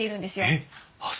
えっ！